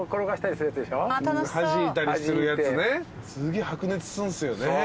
すげぇ白熱するんすよね。